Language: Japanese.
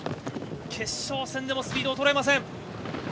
決勝戦でもスピードが衰えません。